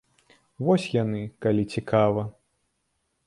Вось яны, калі цікава!